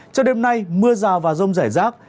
trong đêm nay mưa rào và rông rẻ rác